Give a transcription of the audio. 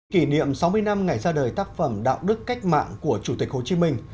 kỷ niệm sáu mươi năm ngày ra đời tác phẩm đạo đức cách mạng của chủ tịch hồ chí minh